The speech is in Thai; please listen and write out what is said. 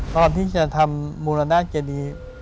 ตอนที่จะทำมูลนาเจดี